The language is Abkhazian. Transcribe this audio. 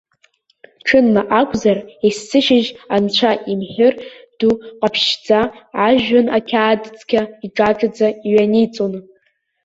Ҽынла акәзар, есышьыжь анцәа имҳәыр ду ҟаԥшьшьӡа ажәҩан ақьаад цқьа иҿаҿаӡа иҩаниҵон.